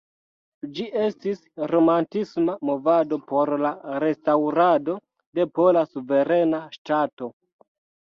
Ĝi estis Romantisma movado por la restaŭrado de Pola suverena ŝtato.